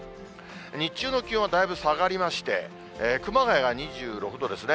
日中の気温は、だいぶ下がりまして、熊谷が２６度ですね。